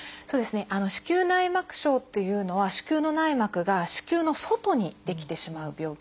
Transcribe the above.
子宮内膜症っていうのは子宮の内膜が子宮の外に出来てしまう病気ですね。